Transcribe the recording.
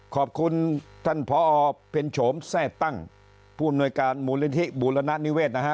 ขอบคุณท่านพอเพ็ญโฉมแทร่ตั้งผู้อำนวยการมูลนิธิบูรณนิเวศนะฮะ